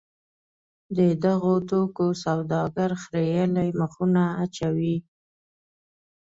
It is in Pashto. د دغو توکو سوداګر خریېلي مخونه اچوي.